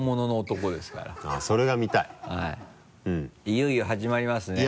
いよいよ始まりますね。